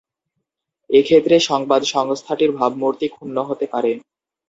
এক্ষেত্রে সংবাদ সংস্থাটির ভাবমূর্তি ক্ষুণ্ণ হতে পারে।